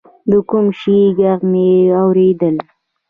د کوم شي ږغ مې اورېده.